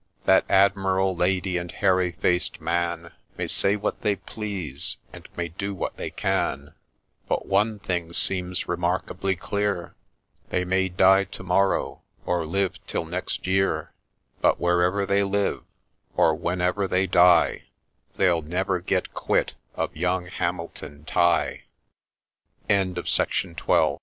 ' That Admiral, Lady, and Hairy faced man May say what they please, and may do what they can ; But one thing seems remarkably clear, — They may die to morrow, or live till next year, — But wherever they live, or whenever they die, They'll never get quit